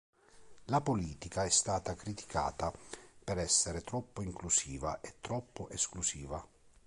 La politica è stata criticata per essere troppo inclusiva e troppo esclusiva.